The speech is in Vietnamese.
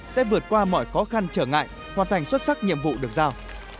sẽ vượt qua mọi khó khăn trở ngại hoàn thành xuất sắc nhiệm vụ được giao